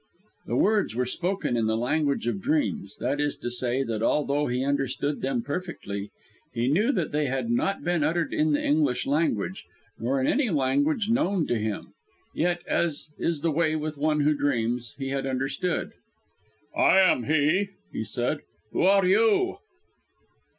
The words were spoken in the language of dreams; that is to say, that although he understood them perfectly, he knew that they had not been uttered in the English language, nor in any language known to him; yet, as is the way with one who dreams, he had understood. "I am he," he said. "Who are you?"